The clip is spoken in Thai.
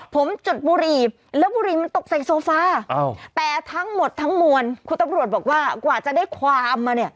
ผมจุดบุหรี่แล้วบุรีมันตกใส่โซฟาแต่ทั้งหมดทั้งมวลคุณตำรวจบอกว่ากว่าจะได้ความมาเนี่ย